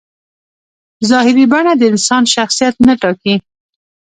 ظاهري بڼه د انسان شخصیت نه ټاکي.